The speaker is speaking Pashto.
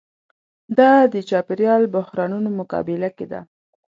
دا د چاپېریال بحرانونو مقابله کې ده.